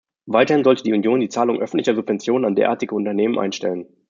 Weiterhin sollte die Union die Zahlung öffentlicher Subventionen an derartige Unternehmen einstellen.